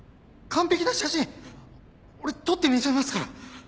完璧な写真俺撮ってみせますから。